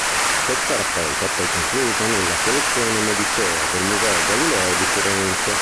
Questa raccolta è poi confluita nella Collezione Medicea del Museo Galileo di Firenze.